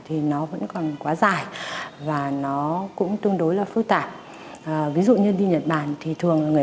thì nó vẫn còn quá dài và nó cũng tương đối là phức tạp ví dụ như đi nhật bản thì thường là người